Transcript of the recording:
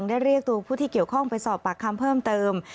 ได้เรียกตัวผู้ที่เกี่ยวข้องไปสอบปากคำเพิ่มเติม